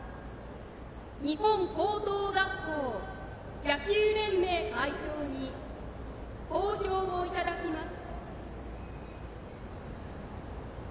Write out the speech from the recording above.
日本高等学校野球連盟会長に講評をいただきます。